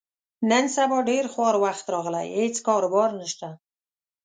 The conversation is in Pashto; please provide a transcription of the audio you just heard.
نن سبا ډېر خوار وخت راغلی، هېڅ کاروبار نشته.